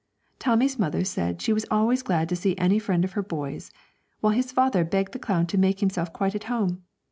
Tommy's mother said she was always glad to see any friend of her boy's, while his father begged the clown to make himself quite at home.